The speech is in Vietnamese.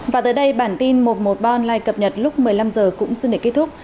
và tới đây bản tin một trăm một mươi ba online cập nhật lúc một mươi năm h cũng xin để kết thúc